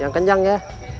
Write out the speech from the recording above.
yang kenjang ya